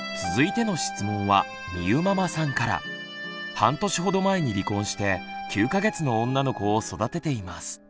半年ほど前に離婚して９か月の女の子を育てています。